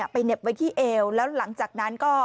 เหน็บไว้ที่เอวแล้วหลังจากนั้นก็